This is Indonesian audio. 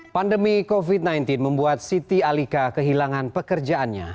pandemi covid sembilan belas membuat siti alika kehilangan pekerjaannya